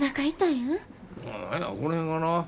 うん何やこの辺がな。